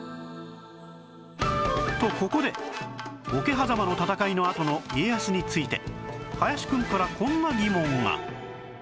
とここで桶狭間の戦いのあとの家康について林くんからこんな疑問が